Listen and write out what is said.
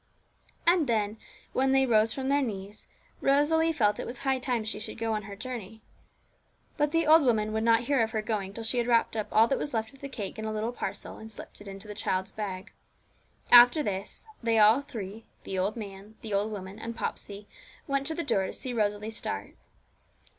And then, when they rose from their knees, Rosalie felt it was high time she should go on her journey. But the old woman would not hear of her going till she had wrapped up all that was left of the cake in a little parcel, and slipped it into the child's bag. After this, they all three the old man, the old woman, and Popsey went to the door to see Rosalie start.